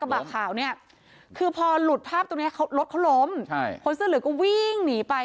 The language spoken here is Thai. กระบะขาวเนี่ยคือพอหลุดภาพตรงเนี้ยเขารถเขาล้มใช่คนเสื้อเหลืองก็วิ่งหนีไป